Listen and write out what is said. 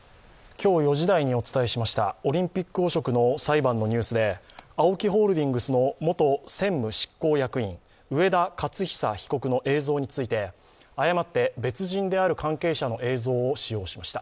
今日４時台にお伝えしましたオリンピック汚職の裁判のニュースでＡＯＫＩホールディングスの元専務執行役員、上田雄久被告の映像について、誤って別人である関係者の映像を使用しました。